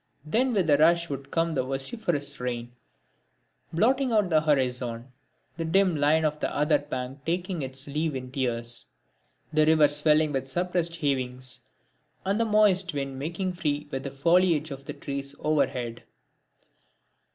Then with a rush would come the vociferous rain, blotting out the horizon; the dim line of the other bank taking its leave in tears: the river swelling with suppressed heavings; and the moist wind making free with the foliage of the trees overhead.